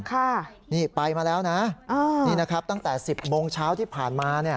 ค่ะนี่ไปมาแล้วนะนี่นะครับตั้งแต่๑๐โมงเช้าที่ผ่านมา